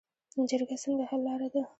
جرګه څنګه حل لاره ده؟